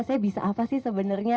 saya bisa apa sih sebenarnya